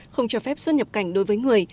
không cho phép xuất nhập cảnh đối với người